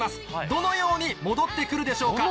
どのように戻って来るでしょうか？